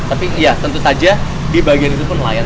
tapi ya tentu saja di bagian itu pun nelayan